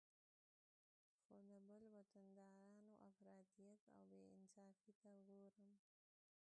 خو د خپل وطندارانو افراطیت او بې انصافي ته ګورم